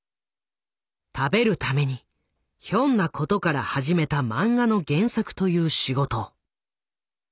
食べるためにひょんなことから始めた漫画の原作という仕事。